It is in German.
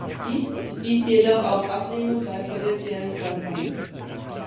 Dies stieß jedoch auf Ablehnung bei potentiellen Käufern.